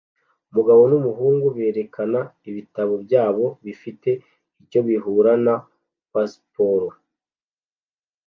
umugabo numuhungu berekana ibitabo byabo bifite icyo bihura na "pasiporo"